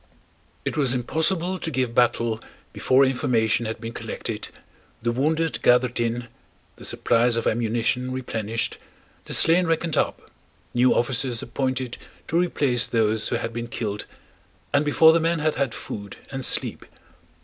It was impossible to give battle before information had been collected, the wounded gathered in, the supplies of ammunition replenished, the slain reckoned up, new officers appointed to replace those who had been killed, and before the men had had food and sleep.